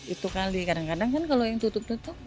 itu kali kadang kadang kan kalau yang tutup tutup